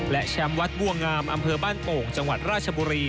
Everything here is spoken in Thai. และแชมป์วัดบัวงามอำเภอบ้านโป่งจังหวัดราชบุรี